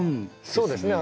そうですね。